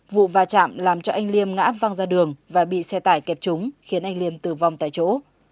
vụ va chạm làm cho anh liêm ngã văng ra đường và bị xe tải kẹp chúng khiến anh liêm tử vong tại chỗ